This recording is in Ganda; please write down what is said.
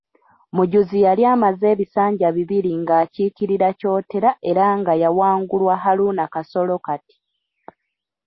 Mujuzi yali amaze ebisanja bibiri ng'akiikirira Kyotera era nga yawangulwa Haruna Kasolo kati.